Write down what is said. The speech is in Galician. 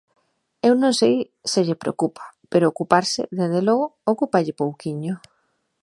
Eu non sei se lle preocupa, pero ocuparse, dende logo, ocúpalle pouquiño.